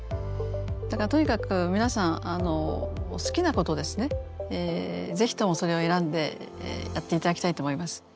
だからとにかく皆さん好きなことをですね是非ともそれを選んでやっていただきたいと思います。